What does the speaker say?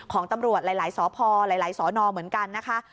ของตำรวจหลายสพหลายสอนอเหมือนกันนะคะ